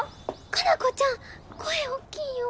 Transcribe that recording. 加奈子ちゃん声おっきいよ